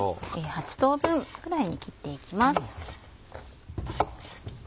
８等分くらいに切っていきます。